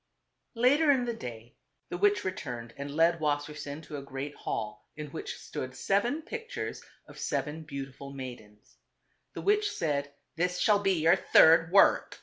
Later in the day the witch returned and led Wassersein to a great hall, in which stood seven pictures of seven beautiful maidens. The witch said, "This shall be your third work.